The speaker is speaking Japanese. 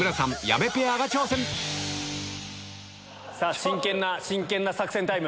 さぁ真剣な真剣な作戦タイム。